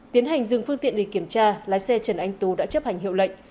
tiến hành dừng phương tiện để kiểm tra lái xe trần anh tú đã chấp hành hiệu lệnh